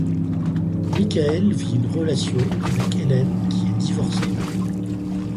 Michael vit une relation avec Hélène qui est divorcée.